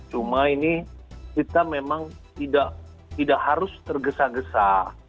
cuma ini kita memang tidak harus tergesa gesa